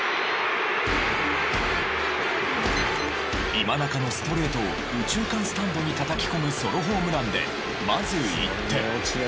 今中のストレートを右中間スタンドにたたき込むソロホームランでまず１点。